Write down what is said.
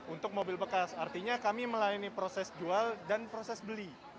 untuk mobil bekas artinya kami melayani proses jual dan proses beli